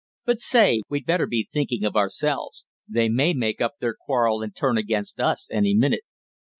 But say, we'd better be thinking of ourselves. They may make up their quarrel and turn against us any minute."